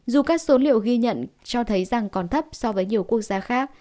dù các số liệu ghi nhận cho thấy rằng còn thấp so với nhiều quốc gia khác